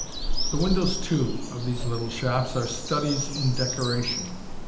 The windows, too, of these little shops are studies in decoration.